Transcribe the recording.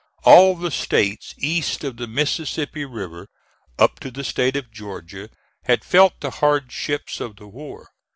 All the States east of the Mississippi River up to the State of Georgia, had felt the hardships of the war.